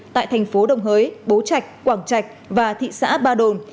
tại thành phố đồng hới bố trạch quảng trạch và thị xã ba đồn